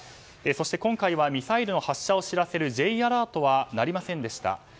そして今回はミサイルの発射を知らせるＪアラートは鳴りませんでした。